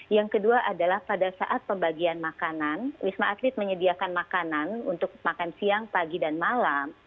yang kedua adalah pada saat pembagian makanan wisma atlet menyediakan makanan untuk makan siang pagi dan malam